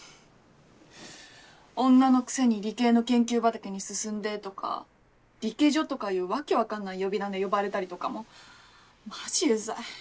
「女のくせに理系の研究畑に進んで」とか「リケジョ」とかいう訳分かんない呼び名で呼ばれたりとかもマジうざい。